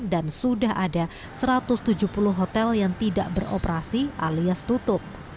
dan sudah ada satu ratus tujuh puluh hotel yang tidak beroperasi alias tutup